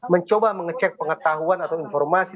mencoba mengecek pengetahuan atau informasi